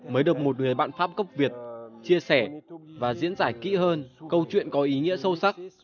mới được một người bạn pháp gốc việt chia sẻ và diễn giải kỹ hơn câu chuyện có ý nghĩa sâu sắc